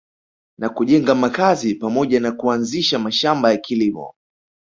Na kujenga makazi pamoja na kuanzisha mashamba ya kilimo